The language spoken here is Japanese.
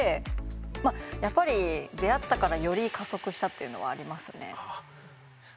まあやっぱり出会ったからより加速したっていうのはありますね。